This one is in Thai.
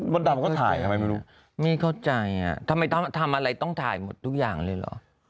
ไม่เข้าใจอะทำไมทำอะไรต้องถ่ายหมดทุกอย่างเลยหรอ